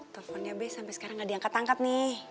teleponnya b sampai sekarang gak diangkat angkat nih